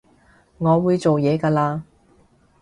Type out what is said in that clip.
我會做嘢㗎喇